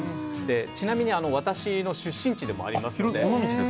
ちなみに私の出身地でもあります。